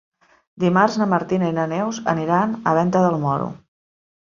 Dimarts na Martina i na Neus aniran a Venta del Moro.